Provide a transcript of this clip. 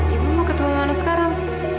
ibu mau ketemu mana sekarang